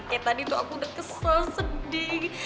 kayak tadi tuh aku udah kesel sedih